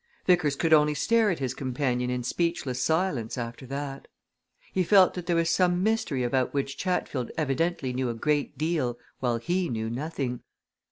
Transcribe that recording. Vickers could only stare at his companion in speechless silence after that. He felt that there was some mystery about which Chatfield evidently knew a great deal while he knew nothing.